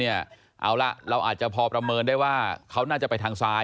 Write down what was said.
เอาล่ะเราอาจจะพอประเมินได้ว่าเขาน่าจะไปทางซ้าย